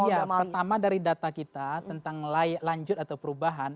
pertama dari data kita tentang layak lanjut atau perubahan